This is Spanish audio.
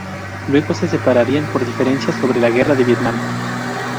Luego se separarían por diferencias sobre la guerra de Vietnam.